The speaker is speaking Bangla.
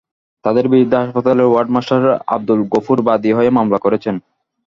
তাঁদের বিরুদ্ধে হাসপাতালের ওয়ার্ড মাস্টার আবদুল গফুর বাদী হয়ে মামলা করেছেন।